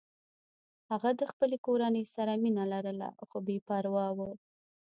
هغه د خپلې کورنۍ سره مینه لرله خو بې پروا و